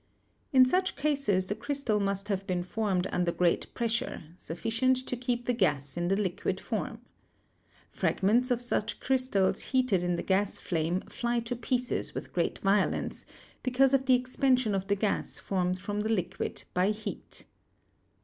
In such cases the crystal must have been formed under great pressure, sufficient to keep the gas in the liquid form. Fragments of such crystals heated in the gas flame fly to pieces with great violence, because of the expansion of the gas formed from the liquid by heat.